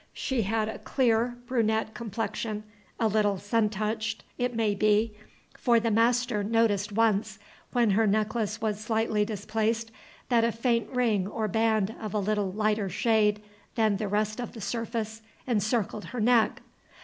She had a clear brunette complexion, a little sun touched, it may be, for the master noticed once, when her necklace was slightly displaced, that a faint ring or band of a little lighter shade than the rest of the surface encircled her neck.